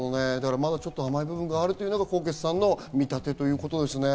甘い部分があるというのが纐纈さんの見立てということですね。